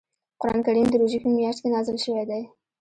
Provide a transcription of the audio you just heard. قران کریم د روژې په میاشت کې نازل شوی دی .